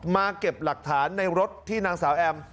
เก็บหลักฐานในรถที่นางสาวแอม